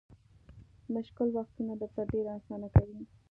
مشکل وختونه درته ډېر اسانه کوي.